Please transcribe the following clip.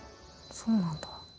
そうなんだ。